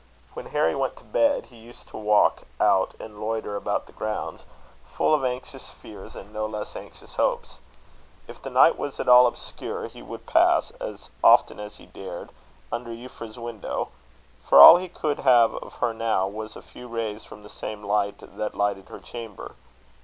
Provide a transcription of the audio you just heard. When Harry went to bed, he used to walk out and loiter about the grounds, full of anxious fears and no less anxious hopes. If the night was at all obscure, he would pass, as often as he dared, under Euphra's window; for all he could have of her now was a few rays from the same light that lighted her chamber.